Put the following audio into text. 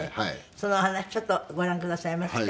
そのお話ちょっとご覧くださいますか？